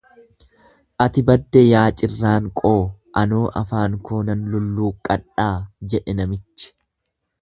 Ati badde yaa cirraanqoo anoo afaan koo nan lulluuqqadhaa jedhe namichi.